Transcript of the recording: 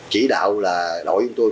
chỉ đạo là đội chúng tôi